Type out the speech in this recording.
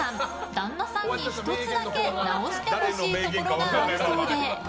旦那さんに、１つだけ直してほしいところがあるそうで。